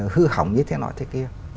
hư hỏng như thế nọ thế kia